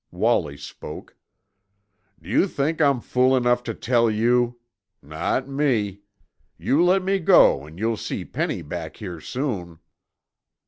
Wallie spoke. "D'you think I'm fool enough to tell you? Not me. You let me go an' you'll see Penny back here soon."